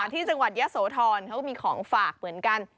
ที่จังหวัดยะโสธรเขาก็มีของฝากเหมือนกัน